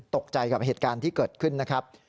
ตกใจกับเหตุการณ์ที่เกิดขึ้นนะครับ